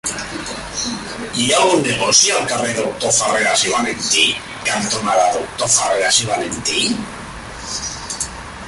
Hi ha algun negoci al carrer Doctor Farreras i Valentí cantonada Doctor Farreras i Valentí?